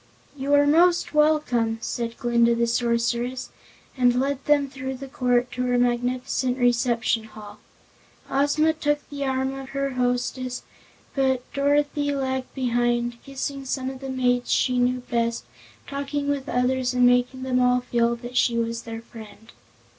"You are most welcome," said Glinda the Sorceress, and led them through the court to her magnificent reception hall. Ozma took the arm of her hostess, but Dorothy lagged behind, kissing some of the maids she knew best, talking with others, and making them all feel that she was their friend.